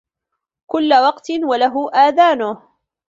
كل وقت وله أذانه.